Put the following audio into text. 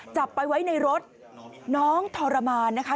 จับไปไว้ในรถน้องทรมานนะคะ